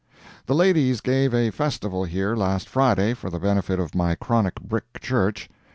The ladies gave a festival here last Friday for the benefit of my chronic brick church.